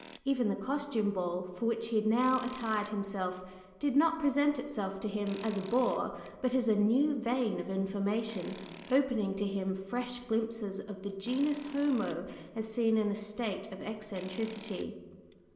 Even the costume ball for which he had now attired himself did not present itself to him as a "bore," but as a new vein of information, opening to him fresh glimpses of the genus homo as seen in a state of eccentricity.